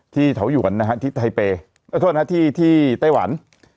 ที่เถาหยวนนะครับที่ไต้เปย์ขอโทษนะครับที่ไต้หวัน